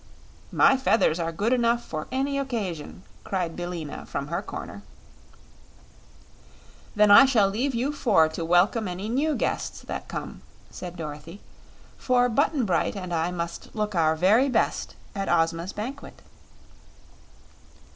"My feathers are good enough for any occasion," cried Billina, from her corner. "Then I shall leave you four to welcome any new guests that come," said Dorothy; "for Button Bright and I must look our very best at Ozma's banquet."